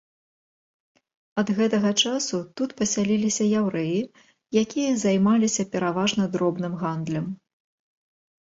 Ад гэтага часу тут пасяліліся яўрэі, якія займаліся пераважна дробным гандлем.